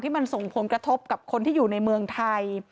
มันส่งผลกระทบกับคนที่อยู่ในเมืองไทย